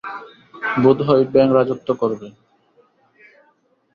বোধহয় ব্যাঙ রাজত্ব করবে।